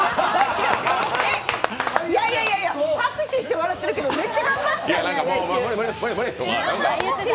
違う、違う、拍手して笑ってるけどめっちゃ頑張ったよね？